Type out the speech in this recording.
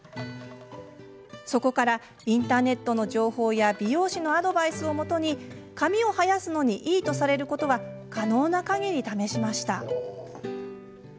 そこからインターネットの情報や美容師のアドバイスをもとに髪を生やすのにいいとされることは可能なかぎり試しました。